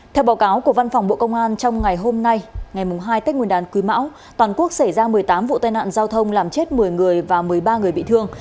theo báo cáo của văn phòng bộ công an trong ngày hôm nay ngày hai tết nguyên đán quý mão toàn quốc xảy ra một mươi tám vụ tai nạn giao thông làm chết một mươi người và một mươi ba người bị thương